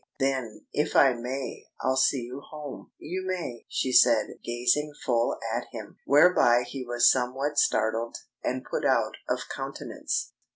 "Then, if I may, I'll see you home." "You may," she said, gazing full at him. Whereby he was somewhat startled and put out of countenance.